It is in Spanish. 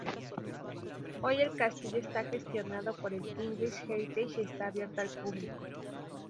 Hoy el castillo está gestionado por el English Heritage y está abierto al público.